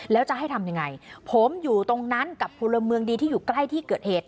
แล้วจะให้ทำยังไงผมอยู่ตรงนั้นกับพลเมืองดีที่อยู่ใกล้ที่เกิดเหตุ